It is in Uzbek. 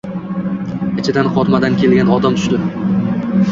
Ichidan qotmadan kelgan odam tushdi.